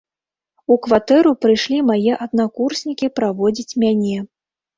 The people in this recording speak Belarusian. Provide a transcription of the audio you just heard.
У кватэру прыйшлі мае аднакурснікі праводзіць мяне.